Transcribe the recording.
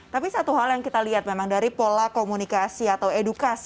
tapi satu hal yang kita lihat memang dari pola komunikasi atau edukasi